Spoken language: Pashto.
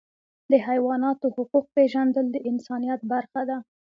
د حیواناتو حقوق پیژندل د انسانیت برخه ده.